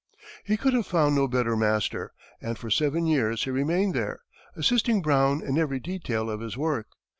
He could have found no better master, and for seven years he remained there, assisting Brown in every detail of his work.